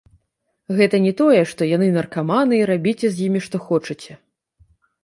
Гэта не тое, што яны наркаманы, і рабіце з імі, што хочаце.